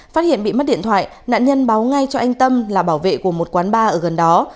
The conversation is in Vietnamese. phát hiện bị mất điện thoại nạn nhân báo ngay cho anh tâm là bảo vệ của một quán bar ở gần đó